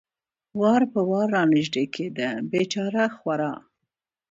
وار په وار را نږدې کېده، بېچاره خورا.